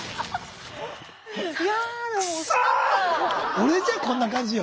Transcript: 俺じゃこんな感じよ。